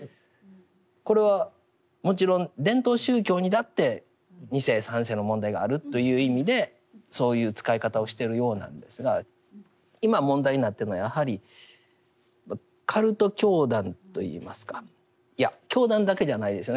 これはもちろん伝統宗教にだって２世３世の問題があるという意味でそういう使い方をしてるようなんですが今問題になってるのはやはりカルト教団といいますかいや教団だけじゃないですよね。